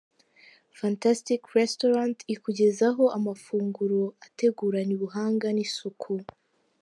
Fantastic Restaurant ikugezaho amafunguro ateguranye ubuhanga n'isuku.